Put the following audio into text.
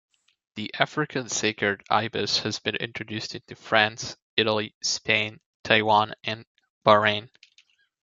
The African sacred ibis has been introduced into France, Italy, Spain, Taiwan, and Bahrain.